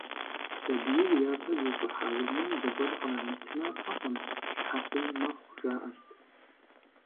Сабийр япэ зыщӀыхьа унэм зыгуэр кърамытмэ, фӀыкъым, щхьэкъуий мэхъу, жаӀэрт.